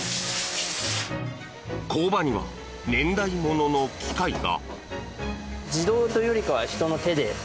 工場には年代物の機械が。